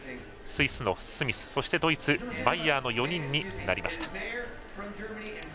スイスのスミスそして、ドイツ、マイヤーの４人になりました。